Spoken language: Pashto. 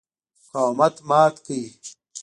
مقاومت مات کړ.